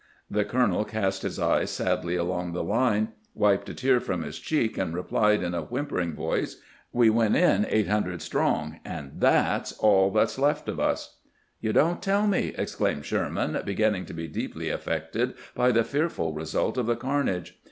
' The colonel cast his eyes sadly along the line, wiped a tear from his cheek, and replied in a whimpering voice: 'We went in eight hundred strong, and that 's aU that 's left of us.' ' You don't tell me !' exclaimed Sherman, beginning to be deeply affected by the fearful result of the carnage.